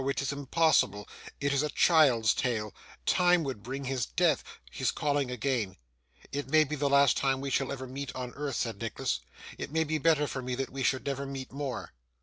It is impossible; it is a child's tale. Time would bring his death. He is calling again!' 'It may be the last time we shall ever meet on earth,' said Nicholas, 'it may be better for me that we should never meet more.